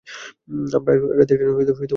আমরা আজ রাতে এটা নিয়ে বিস্তারিত আলোচনা করব।